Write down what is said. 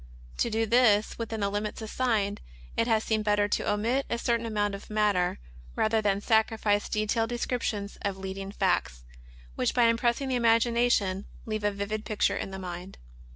To do this within the limits assigned, it has seemed better to omit a certain amount of matter rather than sacrifice detailed descriptions of leading facts, which by impressing the imagination leave a vivid picture in the mind.